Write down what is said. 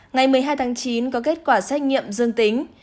ngày một mươi hai tháng chín có kết quả xét nghiệm dương tính